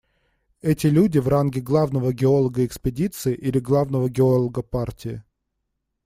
Эти люди в ранге главного геолога экспедиции или главного геолога партии.